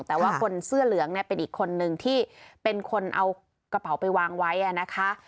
แต่ว่าคนเสื้อเหลืองเนี่ยเป็นอีกคนนึงที่เป็นคนเอากระเป๋าไปวางไว้นะคะ